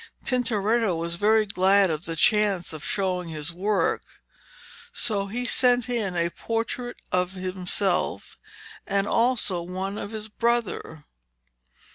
Tintoretto was very glad of the chance of showing his work, so he sent in a portrait of himself and also one of his brother.